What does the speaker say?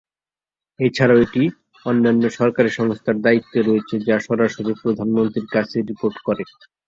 এছাড়াও, এটি অন্যান্য সরকারী সংস্থার দায়িত্বে রয়েছে, যা সরাসরি প্রধানমন্ত্রীর কাছে রিপোর্ট করে।